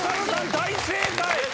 大正解！